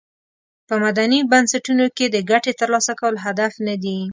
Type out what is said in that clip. په مدني بنسټونو کې د ګټې تر لاسه کول هدف ندی.